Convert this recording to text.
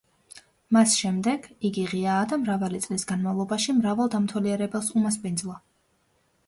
მას შემდეგ, იგი ღიაა და მრავალი წლის განმავლობაში მრავალ დამთვალიერებელს უმასპინძლა.